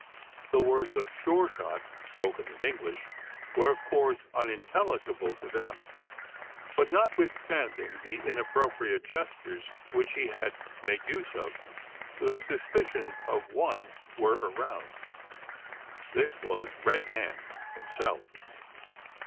The words of Sure shot, spoken in English, were of course unintelligible to them; but, notwithstanding the inappropriate gestures which he had made use of, the suspicions of one were aroused. This was Red Hand himself.